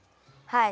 はい。